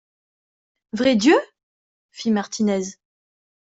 Vrai Dieu ? fit Martinez